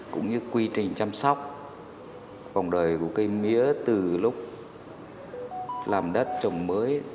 cũng như quy trình chăm sóc vòng đời của cây mía từ lúc làm đất trồng mới